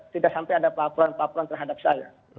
tidak sampai ada pelaporan pelaporan terhadap saya